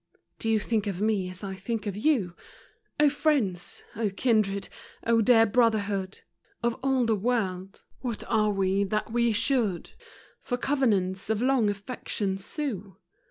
" Do you think of me as I think of you ?" O friends ! O kindred ! O dear brotherhood Of all the world ! What are we, that we should For covenants of long affection sue